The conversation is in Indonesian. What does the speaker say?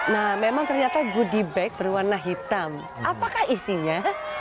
nah memang ternyata gidibek berwarna hitam apakah isinya